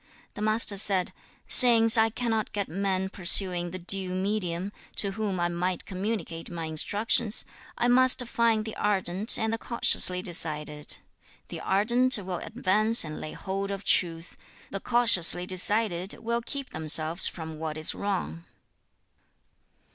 The Master said, 'Since I cannot get men pursuing the due medium, to whom I might communicate my instructions, I must find the ardent and the cautiously decided. The ardent will advance and lay hold of truth; the cautiously decided will keep themselves from what is wrong.'